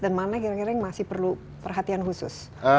mana kira kira yang masih perlu perhatian khusus